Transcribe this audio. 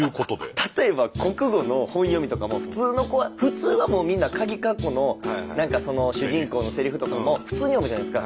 例えば国語の本読みとかも普通の子は普通はもうみんなかぎかっこの何か主人公のせりふとかも普通に読むじゃないですか。